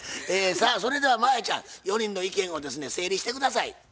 さあそれでは真彩ちゃん４人の意見をですね整理して下さい。